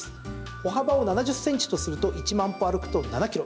歩幅を７０ｃｍとすると１万歩歩くと７ｋｍ。